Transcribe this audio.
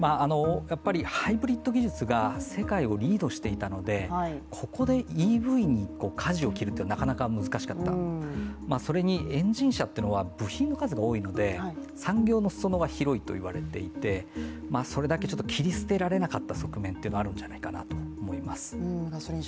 ハイブリッド技術が世界をリードしていたので、ここでＥＶにかじを切るのがなかなか難しかったそれにエンジン車というのは部品の数が多いので、産業の裾野が広いと言われていてそれだけ切り捨てられなかった側面はあるんじゃないかなと思います。